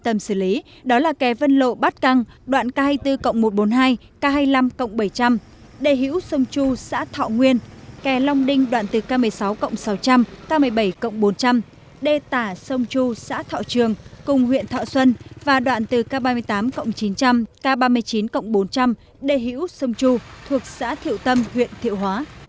điểm đê quan tâm xử lý đó là kè vân lộ bát căng đoạn k hai mươi bốn một trăm bốn mươi hai k hai mươi năm bảy trăm linh đề hữu sông chu xã thọ nguyên kè long đinh đoạn từ k một mươi sáu sáu trăm linh k một mươi bảy bốn trăm linh đề tả sông chu xã thọ trường cùng huyện thọ xuân và đoạn từ k ba mươi tám chín trăm linh k ba mươi chín bốn trăm linh đề hữu sông chu thuộc xã thiệu tâm huyện thiệu hóa